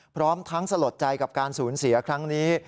พร้อมทั้งสลดใจกับการสูญเสียครั้งนี้